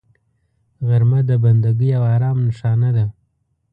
غرمه د بندګۍ او آرام نښانه ده